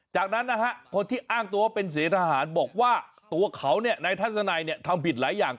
จากนั้นนะฮะคนที่อ้างตัวว่าเป็นเสทหารบอกว่าตัวเขานายทัศนัยทำผิดหลายอย่าง